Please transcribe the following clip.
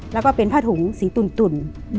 แล้วก็เป็นผ้าถุงสีตุ่น